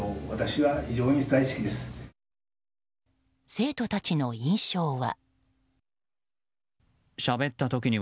生徒たちの印象は。